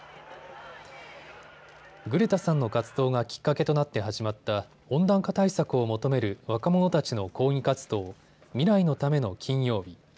グレタさんの活動がきっかけとなって始まった温暖化対策を求める若者たちの抗議活動、未来のための金曜日。